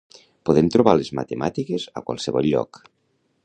Podem trobar les matemàtiques a qualsevol lloc.